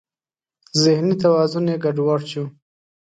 ذهني توازن یې ګډ وډ شو.